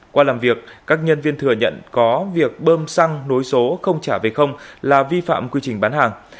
qua làm việc các nhân viên thừa nhận có việc bơm xăng nối số không trả về không là vi phạm quy trình bán hàng